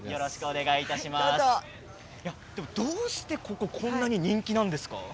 どうしてこここんなに人気なんですか。